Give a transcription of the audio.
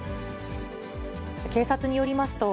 警察によりますと、